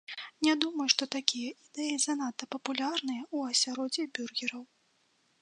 Не думаю, што такія ідэі занадта папулярныя ў асяроддзі бюргераў.